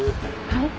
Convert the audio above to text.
はい？